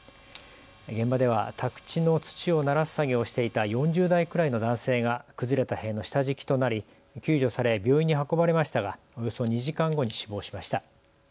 現場では宅地の土をならす作業をしていた４０代くらいの男性が崩れた塀の下敷きとなり救助され病院に運ばれましたがおよそ２時間後に死亡しました。